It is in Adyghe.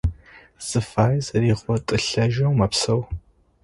Зыфаер зэригъотылӏэжьэу мэпсэу.